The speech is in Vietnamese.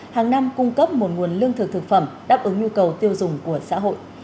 hàng năm cung cấp một nguồn lương thực thực phẩm đáp ứng nhu cầu tiêu dùng của xã hội